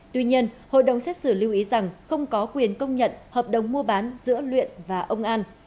tuy nhiên hội đồng xét xử lưu ý rằng không có quyền công nhận hợp đồng mua bán giữa luyện và ông an